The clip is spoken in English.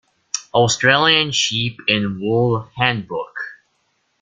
Australian Sheep and Wool Handbook.